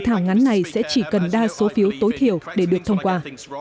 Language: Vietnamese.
thảo ngắn này sẽ chỉ cần đa số phiếu tối thiểu để được thông qua